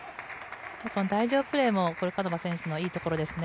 台上プレーもポルカノバ選手のいいところですね。